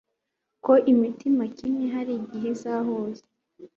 ko imitima kimwe hari igihe izahuza